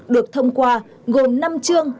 được thông qua gồm năm chương